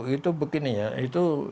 itu begini ya itu